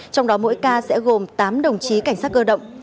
trong đó mỗi ca sẽ gồm tám đồng chí cảnh sát cơ động